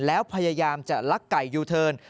แล้วพยายามจะลักไก่ยูเทิร์น